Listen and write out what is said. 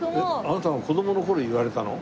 あなたが子供の頃言われたの？